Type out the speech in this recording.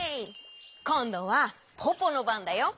こんどはポポのばんだよ。